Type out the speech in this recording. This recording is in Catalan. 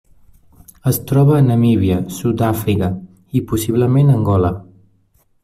Es troba a Namíbia, Sud-àfrica, i possiblement Angola.